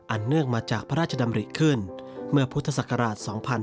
เนื่องมาจากพระราชดำริขึ้นเมื่อพุทธศักราช๒๕๕๙